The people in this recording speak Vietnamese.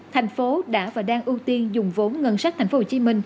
tp hcm đã và đang ưu tiên dùng vốn ngân sách tp hcm